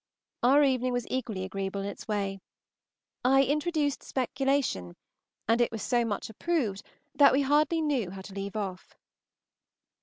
Our evening was equally agreeable in its way: I introduced speculation, and it was so much approved that we hardly knew how to leave off.